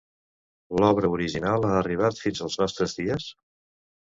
L'obra original ha arribat fins als nostres dies?